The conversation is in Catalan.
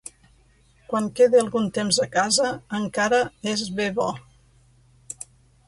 Quan queda algun temps a casa, encara és bé bo.